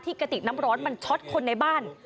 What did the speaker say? กระติกน้ำร้อนมันช็อตคนในบ้าน